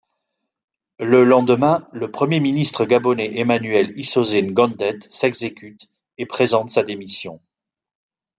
Le lendemain, le Premier ministre gabonais Emmanuel Issoze Ngondet s'exécute et présente sa démission.